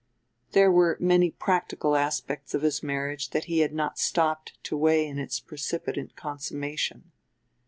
There were many practical aspects of his marriage that he had not stopped to weigh in its precipitant consummation.